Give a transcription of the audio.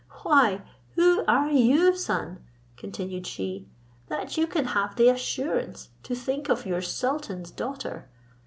Why, who are you, son," continued she, "that you can have the assurance to think of your sultan's daughter?